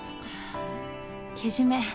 けじめ